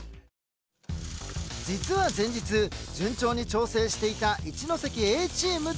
実は前日順調に調整していた一関Ａチームだったのですが。